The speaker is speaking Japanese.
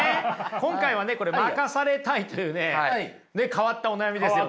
今回はねこれ負かされたいというね変わったお悩みですよね。